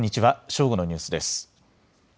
正午のニュースです。